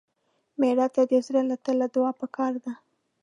مړه ته د زړه له تله دعا پکار ده